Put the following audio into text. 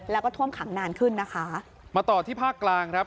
แล้วก็ท่วมขังนานขึ้นนะคะมาต่อที่ภาคกลางครับ